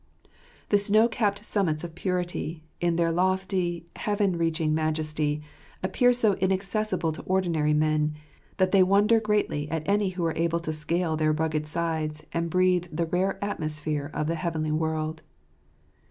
The snow capt summits of purity, in their lofty, heaven reaching majesty, appear so inaccessible to ordinary men, that they wonder greatly at any who are able to scale their rugged sides and breathe the rare atmosphere of the heavenly world.